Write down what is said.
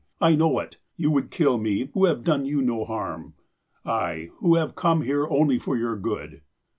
I know it. You would kill me, who have done you no harm. I, who have come here only for your good."